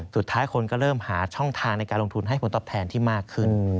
สุดท้ายคนก็เริ่มหาช่องทางในการลงทุนให้ผลตอบแทนที่มากขึ้น